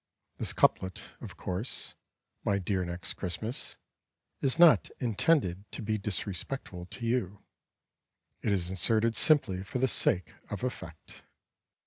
This couplet, of course. My dear Next Christmas, Is not intended to be Disrespectful to you; It is inserted simply For the sake of effect.